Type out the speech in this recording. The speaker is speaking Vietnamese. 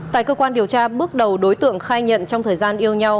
tại cơ quan điều tra bước đầu đối tượng khai nhận trong thời gian yêu nhau